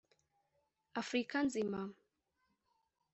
Afurika nzima